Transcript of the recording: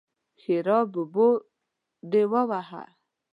ښېرا: ببو دې ووهه!